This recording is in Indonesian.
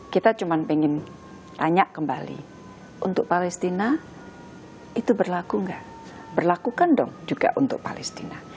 kita cuma pengen tanya kembali untuk palestina itu berlaku enggak berlakukan dong juga untuk palestina